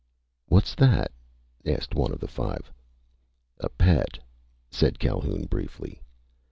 "What's that?" asked one of the five. "A pet," said Calhoun briefly.